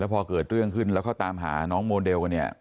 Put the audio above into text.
พอเกิดเรื่องขึ้นแล้วเขาตามหาน้องโมเดลกันเนี่ย